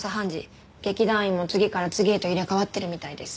劇団員も次から次へと入れ替わってるみたいです。